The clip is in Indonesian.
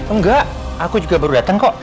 enggak aku juga baru datang kok